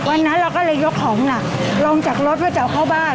วันนั้นเราก็เลยยกของหนักลงจากรถเพื่อจะเอาเข้าบ้าน